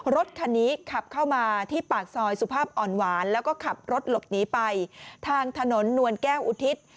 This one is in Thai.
รถคันนี้ขับเข้ามาที่ปากซอยสุภาพอ่อนหวานแล้วก็ขับรถหลบหนีไปทางถนนนวลแก้วอุทิศ